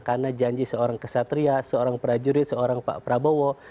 karena janji seorang kesatria seorang prajurit seorang pak prabowo